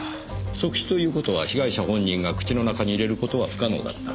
即死という事は被害者本人が口の中に入れる事は不可能だった。